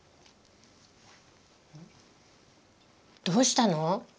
どうしたの？